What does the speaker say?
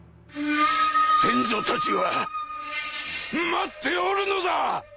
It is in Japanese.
先祖たちは待っておるのだ！